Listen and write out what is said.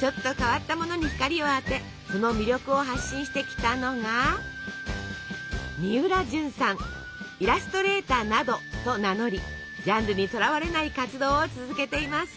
ちょっと変わったものに光を当てその魅力を発信してきたのが「イラストレーターなど」と名乗りジャンルにとらわれない活動を続けています。